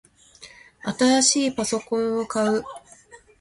新しいパソコンを買う